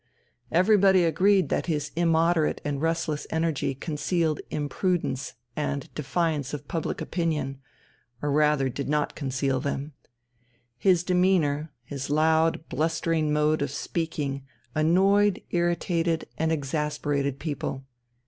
Everybody agreed that his immoderate and restless energy concealed imprudence and defiance of public opinion or rather did not conceal them. His demeanour, his loud, blustering mode of speaking annoyed, irritated, and exasperated people.